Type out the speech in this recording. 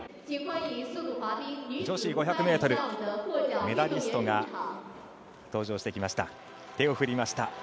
女子５００ｍメダリストが登場してきました。